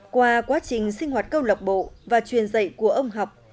qua quá trình sinh hoạt câu lạc bộ và truyền dạy của ông học